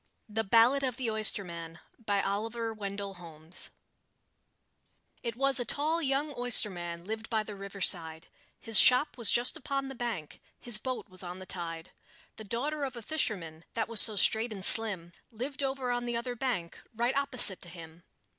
THE BALLAD OF THE OYSTERMAN It was a tall young oysterman lived by the riverside, His shop was just upon the bank, his boat was on the tide; The daughter of a fisherman, that was so straight and slim, Lived over on the other bank, right opposite to him.